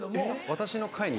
私の回に？